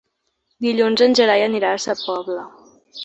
Dilluns en Gerai anirà a Sa Pobla.